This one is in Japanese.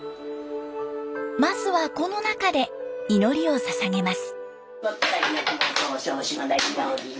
まずはこの中で祈りをささげます。